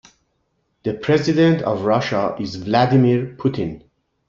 The president of Russia is Vladimir Putin.